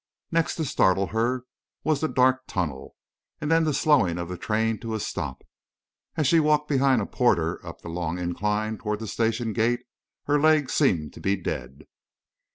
Next to startle her was the dark tunnel, and then the slowing of the train to a stop. As she walked behind a porter up the long incline toward the station gate her legs seemed to be dead.